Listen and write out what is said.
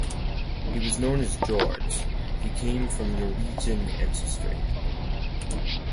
He was known as "George", he came from Norwegian ancestry.